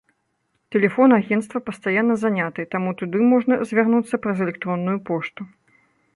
Тэлефон агенцтва пастаянна заняты, таму туды можна звярнуцца праз электронную пошту.